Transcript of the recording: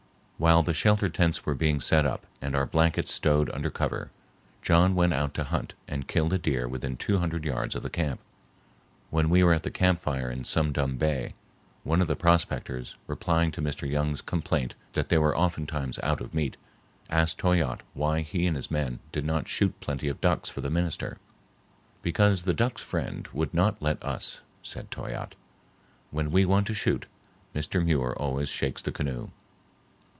While the shelter tents were being set up and our blankets stowed under cover, John went out to hunt and killed a deer within two hundred yards of the camp. When we were at the camp fire in Sum Dum Bay, one of the prospectors, replying to Mr. Young's complaint that they were oftentimes out of meat, asked Toyatte why he and his men did not shoot plenty of ducks for the minister. "Because the duck's friend would not let us," said Toyatte; "when we want to shoot, Mr. Muir always shakes the canoe."